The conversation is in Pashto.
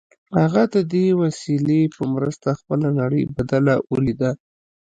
هغه د دې وسیلې په مرسته خپله نړۍ بدله ولیده